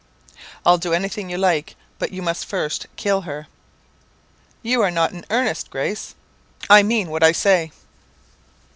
"'I'll do anything you like; but you must first kill her.' "'You are not in earnest, Grace?' "'I mean what I say!'